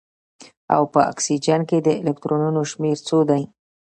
او په اکسیجن کې د الکترونونو شمیر څو دی